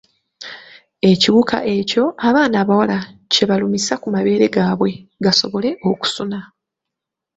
Ekiwuka ekyo abaana abawala kye balumisa ku mabeere gaabwe gasobole okusuna.